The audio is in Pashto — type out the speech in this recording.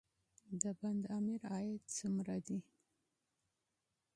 د بند امیر عاید څومره دی؟